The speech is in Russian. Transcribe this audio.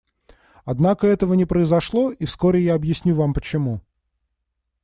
Однако этого не произошло, и вскоре я объясню вам почему.